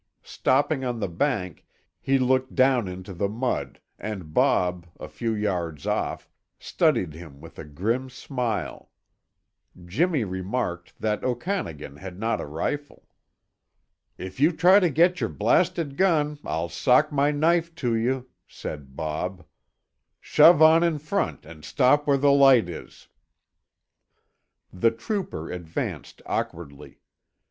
Stopping on the bank, he looked down into the mud, and Bob, a few yards off, studied him with a grim smile. Jimmy remarked that Okanagan had not a rifle. "If you try to get your blasted gun, I'll sock my knife to you," said Bob. "Shove on in front and stop where the light is." The trooper advanced awkwardly.